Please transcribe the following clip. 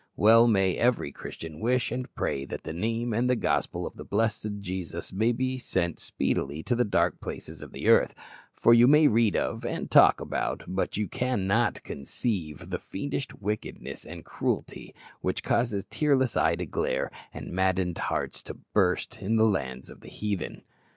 Well may every Christian wish and pray that the name and the gospel of the blessed Jesus may be sent speedily to the dark places of the earth; for you may read of, and talk about, but you cannot conceive the fiendish wickedness and cruelty which causes tearless eyes to glare, and maddened hearts to burst, in the lands of the heathen.